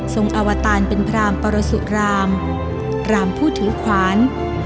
อวตารเป็นพรามปรสุรามพรามผู้ถือขวาน